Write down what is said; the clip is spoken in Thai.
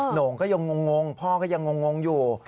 โหน่งก็ยังงงพ่อก็ยังงงอยู่